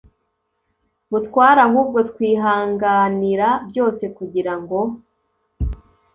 Butware ahubwo twihanganira byose kugira ngo